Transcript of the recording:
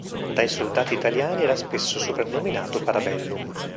Dai soldati italiani era spesso soprannominato "Parabellum".